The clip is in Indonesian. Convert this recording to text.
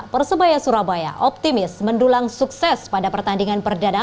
persebaya surabaya optimis mendulang sukses pada pertandingan perdana